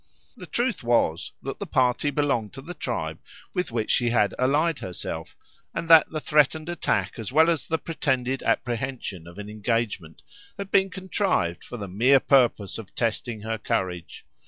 The truth was, that the party belonged to the tribe with which she had allied herself, and that the threatened attack as well as the pretended apprehension of an engagement had been contrived for the mere purpose of testing her courage.